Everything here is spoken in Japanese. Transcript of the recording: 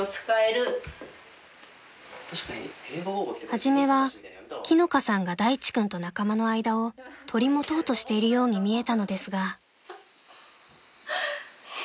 ［初めは樹乃香さんが大地君と仲間の間を取り持とうとしているように見えたのですが］